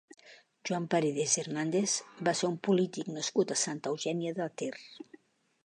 Joan Paredes Hernández va ser un polític nascut a Santa Eugènia de Ter.